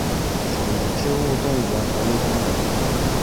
属于支笏洞爷国立公园。